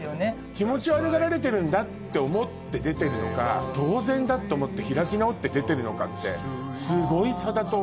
気持ち悪がられてるんだって思って出てるのか当然だって思って開き直って出てるのかってすごい差だと思う。